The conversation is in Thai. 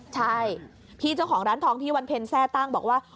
ใช่พี่เจ้าของร้านทองพี่วันเพ็ญแทร่ตั้งบอกว่า